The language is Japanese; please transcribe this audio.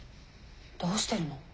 どうしてるの？